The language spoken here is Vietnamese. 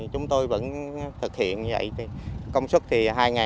chúng tôi vẫn thực hiện như vậy